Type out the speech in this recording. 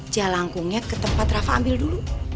jelangkungnya ke tempat rava ambil dulu